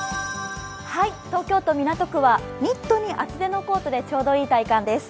東京都港区はニットに厚手のコートでちょうどいい体感です。